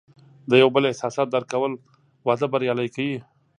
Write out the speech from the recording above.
د یو بل احساسات درک کول، واده بریالی کوي.